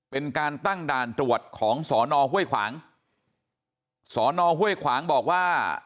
เป็นการตั้งด่านตรวจของสอนอห้วยขวางสอนอห้วยขวางบอกว่า